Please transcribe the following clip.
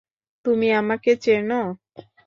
তুমি আমাকে চেন?